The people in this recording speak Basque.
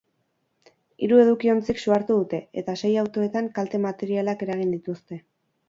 Hiru edukiontzik su hartu dute, eta sei autoetan kalte materialak eragin dituzte.